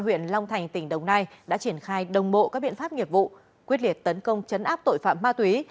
huyện long thành tỉnh đồng nai đã triển khai đồng bộ các biện pháp nghiệp vụ quyết liệt tấn công chấn áp tội phạm ma túy